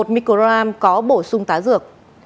một mg có bổ sung tá dược